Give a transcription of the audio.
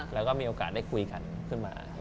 แล้วก็มีโอกาสได้คุยกันขึ้นมา